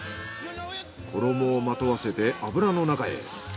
衣をまとわせて油の中へ。